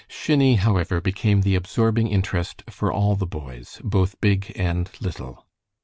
Shinny, however, became the absorbing interest for all the boys, both big and little.